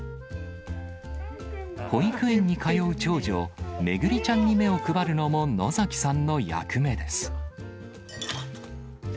保育園に通う長女、めぐりちゃんに目を配るのも、野崎さんの役目です。